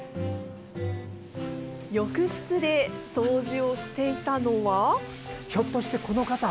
浴室で掃除をしていたのは。